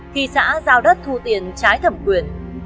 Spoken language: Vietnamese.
khi xã giao đất thu tiền trái thẩm quyền